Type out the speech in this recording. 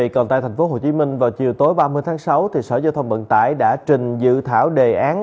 còn tại thành phố hồ chí minh vào chiều tối ba mươi tháng sáu sở giao thông vận tải đã trình dự thảo đề án